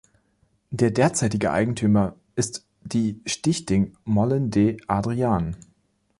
Der derzeitige Eigentümer ist die Stichting Molen De Adriaan.